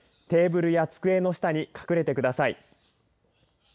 テーブルや机の下に隠れてください。